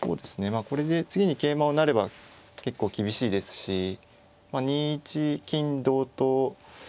まあこれで次に桂馬を成れば結構厳しいですし２一金同と。